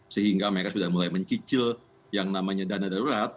sehingga mereka sudah mulai mencicil yang namanya dana darurat